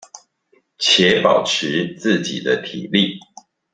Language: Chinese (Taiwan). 且保持自己的體力